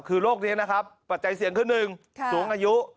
คือโรคนี้นะครับปัจจัยเสี่ยงคือ๑สูงอายุ